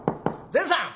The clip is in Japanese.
「善さん！